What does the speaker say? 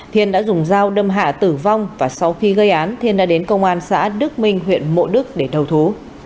thiên đã dùng dao đâm hạ tử vong và sau khi gây án thiên đã đến công an xã đức minh huyện mộ đức để đầu thú